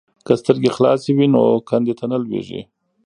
که سترګې خلاصې وي نو کندې ته نه لویږي.